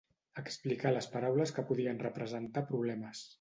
explicar les paraules que podien representar problemes